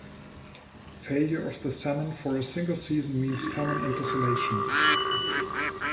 Failure of the salmon for a single season means famine and desolation.